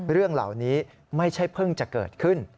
เรื่องเหล่านี้ไม่ใช่เพิ่งจะเกิดขึ้น